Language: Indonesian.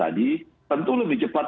jadi tentu lebih cepat